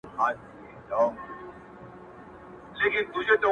لويه گناه;